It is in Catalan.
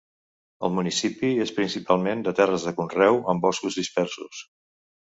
El municipi és principalment de terres de conreu amb boscos dispersos.